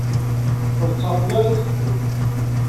Ur tettɛeḍḍil ara ad teddu.